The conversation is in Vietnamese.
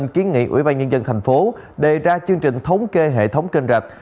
kiến nghị ủy ban nhân dân tp hcm đề ra chương trình thống kê hệ thống kênh rạch